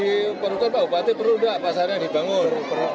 diperlukan bahwa terperutak pasarnya dibangun